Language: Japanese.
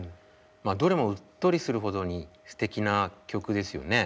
どれもうっとりするほどにすてきな曲ですよね。